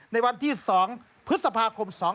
ในวันที่๒พฤษภาคม๒๕๖